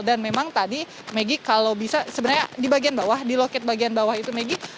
dan memang tadi maggie kalau bisa sebenarnya di bagian bawah di loket bagian bawah itu maggie